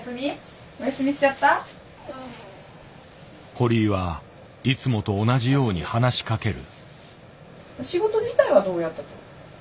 堀井はいつもと同じように話しかける。